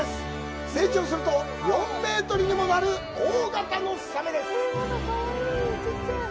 成長すれば、４メートルにもなる大型のサメです。